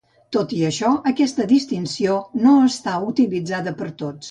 Tot i això, aquesta distinció no està utilitzada per tots.